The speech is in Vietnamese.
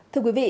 thưa quý vị